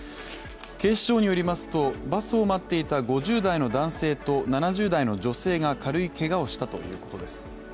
警視庁によりますとバスを待っていた５０代の男性と７０代の女性が軽いけがをしたということです。